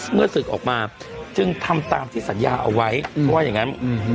เมื่อเศษฐกออกมาจึงทำตามที่สัญญาเอาไว้เพราะว่าอย่างงี้อืม